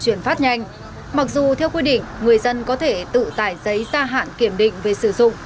chuyển phát nhanh mặc dù theo quy định người dân có thể tự tải giấy ra hạn kiểm định về sử dụng